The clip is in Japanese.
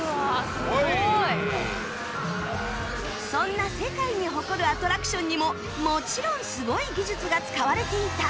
そんな世界に誇るアトラクションにももちろんスゴい技術が使われていた